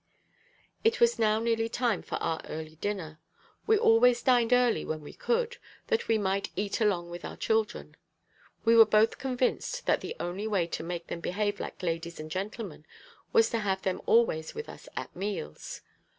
It was now nearly time for our early dinner. We always dined early when we could, that we might eat along with our children. We were both convinced that the only way to make them behave like ladies and gentlemen was to have them always with us at meals.